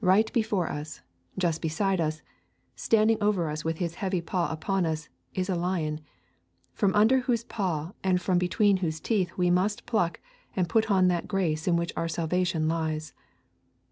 Right before us, just beside us, standing over us with his heavy paw upon us, is a lion, from under whose paw and from between whose teeth we must pluck and put on that grace in which our salvation lies.